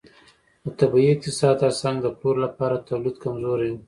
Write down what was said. د طبیعي اقتصاد ترڅنګ د پلور لپاره تولید کمزوری و.